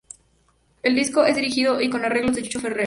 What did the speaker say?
El disco es dirigido y con arreglos de Chucho Ferrer.